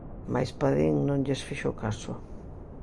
Mais Padín non lles fixo caso.